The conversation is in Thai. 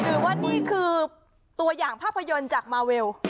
หรือว่านี่คือตัวอย่างภาพยนตร์จากมาเวล